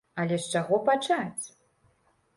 Але з чаго пачаць?